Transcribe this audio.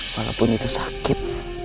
walaupun itu sakit